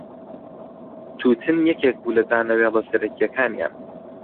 تووتن یەکێک بوو لە دانەوێڵە سەرەکییەکانیان.